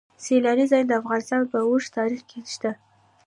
سیلاني ځایونه د افغانستان په اوږده تاریخ کې شته.